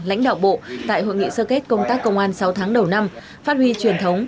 lãnh đạo bộ tại hội nghị sơ kết công an sáu tháng đầu năm phát huy truyền thống